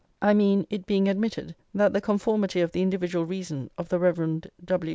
I mean, it being admitted that the conformity of the individual reason of the Rev. W.